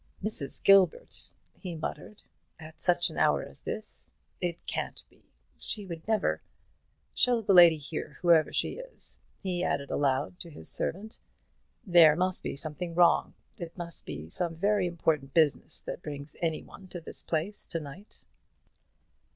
"Mrs. Gilbert," he muttered, "at such an hour as this! It can't be; she would never Show the lady here, whoever she is," he added aloud to his servant. "There must be something wrong; it must be some very important business that brings any one to this place to night."